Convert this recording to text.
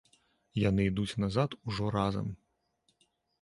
Яны ідуць назад ужо разам.